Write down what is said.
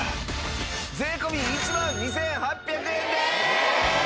税込１万２８００円です！えっ！？